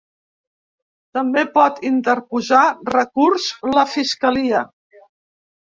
També pot interposar recurs la fiscalia.